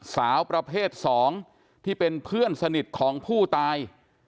สาวประเภท๒ที่เป็นเพื่อนสนิทของผู้ตาย